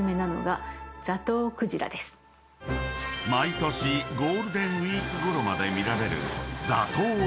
［毎年ゴールデンウイークごろまで見られる］